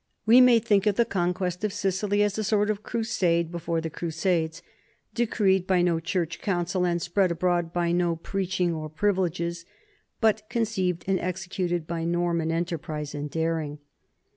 We may think of the conquest of Sicily as a sort of crusade before the Crusades, decreed by no church council and spread abroad by no preaching or privileges, but conceived and executed by Norman en terprise and daring.